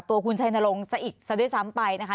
ตัวคุณชายนรงสะอิกสัตว์ด้วยซ้ำไปนะคะ